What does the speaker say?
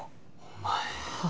お前。